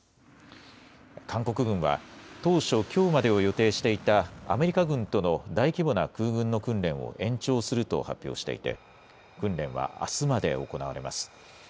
韓国軍は、当初、きょうまでを予定していたアメリカ軍との大規模な空軍の訓練を延長すると発表していて、訓練はあすまで行われます。